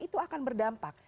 itu akan berdampak